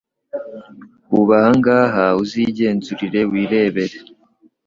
uba aha ngaha uzigenzurire wirebere